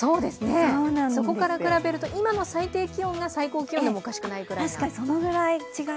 そこから比べると今の最低気温が最高気温でもおかしくないくらい。